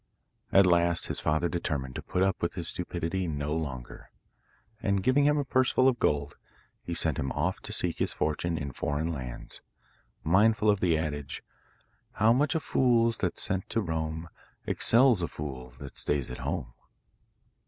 At last his father determined to put up with his stupidity no longer, and giving him a purse full of gold, he sent him off to seek his fortune in foreign lands, mindful of the adage: How much a fool that's sent to roam Excels a fool that stays at home.